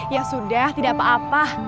ya sudah tidak apa apa